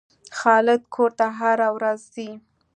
خالد کور ته هره ورځ ځي.